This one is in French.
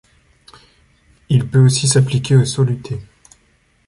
Il peut aussi s'appliquer aux solutés.